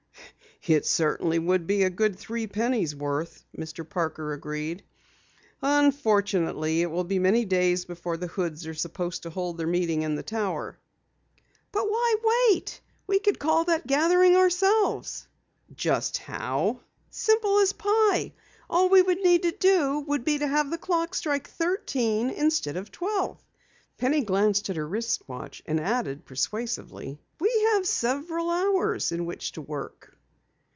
"It certainly would be a good three pennies worth," Mr. Parker agreed. "Unfortunately, it will be many days before the Hoods are supposed to hold their meeting at the Tower." "But why wait? We could call that gathering ourselves!" "Just how?" "Simple as pie. All we would need to do would be to have the clock strike thirteen instead of twelve." Penny glanced at her wrist watch and added persuasively: "We have several hours in which to work!"